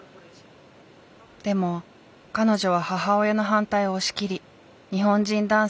でも彼女は母親の反対を押し切り日本人男性と結婚。